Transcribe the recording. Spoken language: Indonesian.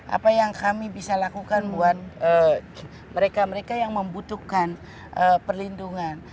apa yang kami bisa lakukan buat mereka mereka yang membutuhkan perlindungan